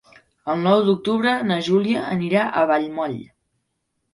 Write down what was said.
El nou d'octubre na Júlia anirà a Vallmoll.